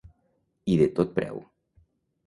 I de tot preu.